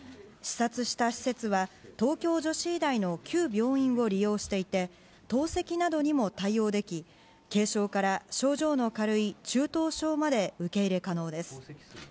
視察した施設は東京女子医大の旧病院を利用していて透析などにも対応でき軽症から症状の軽い中等症まで受け入れ可能です。